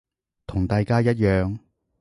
同大家一樣